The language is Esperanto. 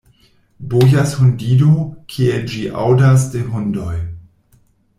Bojas hundido, kiel ĝi aŭdas de hundoj.